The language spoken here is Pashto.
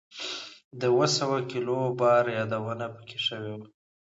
د اووه سوه کیلو بار یادونه په کې شوې وه.